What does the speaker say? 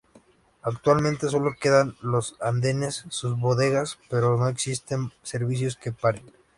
Actualmente solo quedan los andenes, sus bodegas, pero no existen servicios que paren.